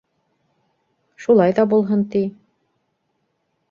Шулай ҙа булһын ти.